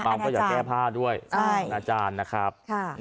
ก็อยากแก้ผ้าด้วยอาจารย์นะครับ